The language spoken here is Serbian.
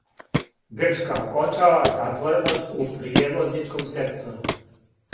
Грчка окончава "затвореност" у пријевозничком сектору